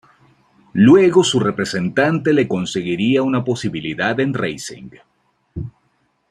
Luego su representante le conseguiría una posibilidad en Racing.